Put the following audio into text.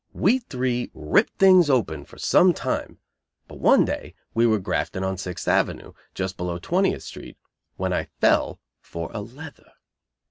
We three ripped things open for some time; but one day we were grafting on Sixth Avenue, just below Twentieth Street, when I fell for a "leather."